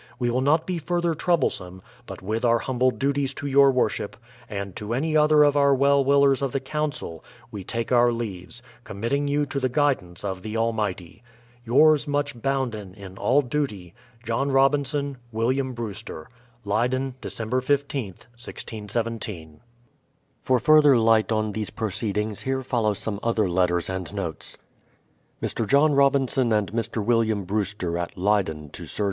We will not be further troublesome, but with our humble duties to your Worship, and to any other of our well willers of the Council, we take oui; leaves, committing you to the guidance of the Almighty. Yours much bounden in all duty, JOHN ROBINSON. Leyden, Dec. 15th, 1617. WILLIAM BREWSTER. For further light on these proceedings, here follow some other letters and notes. Mr. John Robinson and Mr. IVilliatn Brewster at Leyden to Sir.